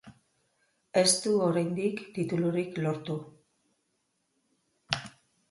Ez du oraindik titulurik lortu.